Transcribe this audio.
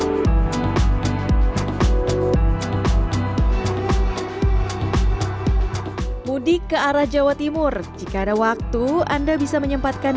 hai mudik ke arah jawa timur jika ada waktu anda bisa menyempatkan